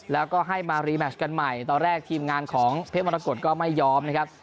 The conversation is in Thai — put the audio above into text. แล้วก็ให้มารีแมชกันใหม่ตอนแรกทีมงานของเพชรมรกฏก็ไม่ยอมนะครับ